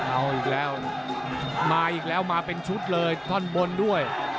เอาอีกแล้วมาอีกแล้วมาเป็นชุดเลยท่อนบนด้วย